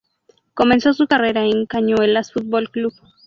Comenzó su carrera en Cañuelas Fútbol Club.